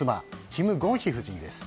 キム・ゴンヒ夫人です。